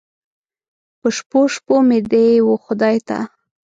په شپو، شپو مې دې و خدای ته